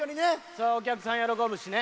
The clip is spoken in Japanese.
それお客さん喜ぶしね。